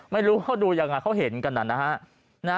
ไม่รู้เขาดูยังไงเขาเห็นกันนะฮะ